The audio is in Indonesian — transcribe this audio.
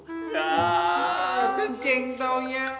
ah sencing taunya